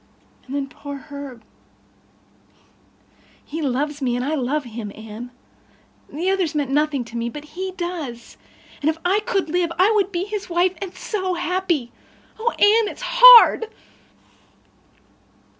And then poor Herb—he—he loves me and I love him, Anne. The others meant nothing to me, but he does—and if I could live I would be his wife and be so happy. Oh, Anne, it's hard."